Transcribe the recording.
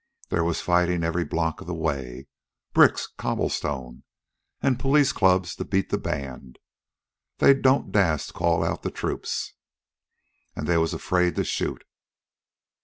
"They was fightin' every block of the way bricks, cobblestones, an' police clubs to beat the band. They don't dast call out the troops. An' they was afraid to shoot.